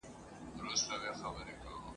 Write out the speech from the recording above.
د هر چا به ښه او بد ټوله د ځان وای ..